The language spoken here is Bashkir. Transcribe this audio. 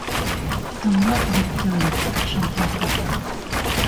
— Тыңлап бөт тәүҙә, шантрапа.